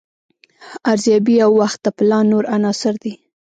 ارزیابي او وخت د پلان نور عناصر دي.